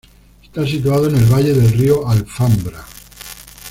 Está situado en el valle del Río Alfambra.